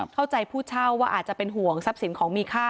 ผู้เช่าว่าอาจจะเป็นห่วงทรัพย์สินของมีค่า